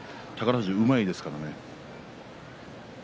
富士はうまいですからね。